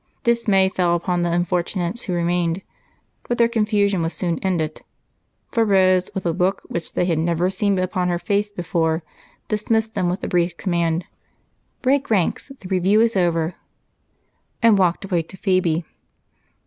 Dismay fell upon the unfortunates who remained, but their confusion was soon ended, for Rose, with a look which they had never seen upon her face before, dismissed them with the brief command, "Break ranks the review is over," and walked away to Phebe.